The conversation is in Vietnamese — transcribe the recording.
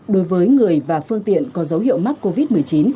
đối với người và phương tiện có dấu hiệu mắc covid một mươi chín